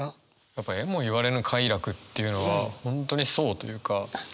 やっぱ「得もいわれぬ快楽」というのは本当にそうというか。